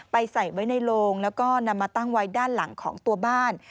ใส่ไว้ในโลงแล้วก็นำมาตั้งไว้ด้านหลังของตัวบ้าน